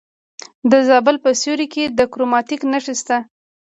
د زابل په سیوري کې د کرومایټ نښې شته.